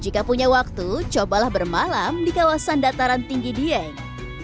jika punya waktu cobalah bermalam di kawasan dataran tinggi dieng